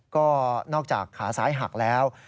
ก็นอกจากขาซ้ายหักแล้ว